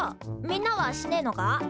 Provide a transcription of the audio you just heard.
みんなはしねえのか？